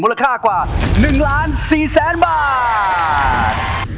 มูลค่ากว่า๑๔๐๐๐๐๐บาท